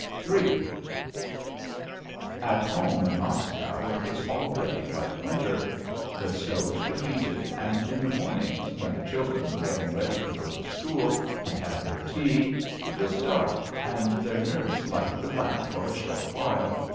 III At home in Moscow, it was already like winter; the stoves were heated, and in the mornings, when the children were getting ready to go to school, and had their tea, it was dark and their nurse lighted the lamp for a short while.